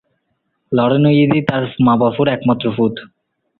Lauren তার পিতামাতার একমাত্র সন্তান।